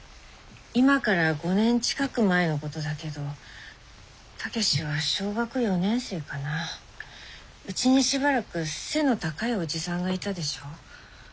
今から５年近く前のことだけど武志は小学４年生かなうちにしばらく背の高いおじさんがいたでしょう。